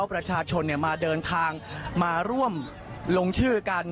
ประชาชนมาเดินทางมาร่วมลงชื่อกัน